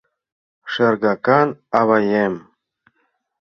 Шергакан аваем!